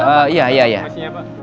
pak terima kasih ya pak